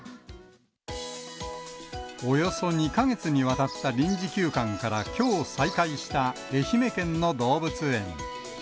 およそ２か月にわたった臨時休館からきょう再開した愛媛県の動物園。